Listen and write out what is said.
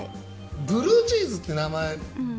ブルーチーズって名前